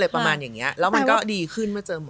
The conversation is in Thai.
ประมาณอย่างนี้แล้วมันก็ดีขึ้นมาเจอหมด